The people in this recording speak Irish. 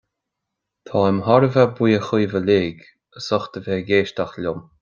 Táim thar a bheith buíoch daoibh uile as ucht a bheith ag éisteacht liom